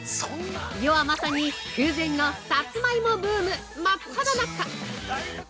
世はまさに、空前のさつまいもブーム真っただ中！